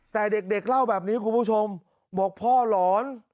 แต่เด็กเล่าแบบนี้คุณผู้ชมบอกพ่อหลอน